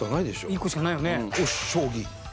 １個しかないよね。